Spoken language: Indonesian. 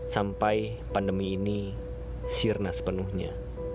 sampai pandemi ini sirna sepenuhnya